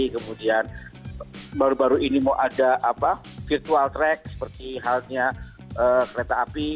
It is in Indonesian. kemudian baru baru ini mau ada virtual track seperti halnya kereta api